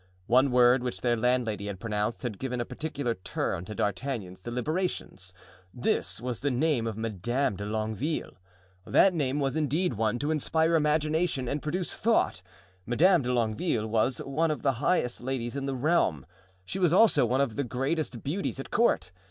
One word which their landlady had pronounced had given a particular turn to D'Artagnan's deliberations; this was the name of Madame de Longueville. That name was indeed one to inspire imagination and produce thought. Madame de Longueville was one of the highest ladies in the realm; she was also one of the greatest beauties at court.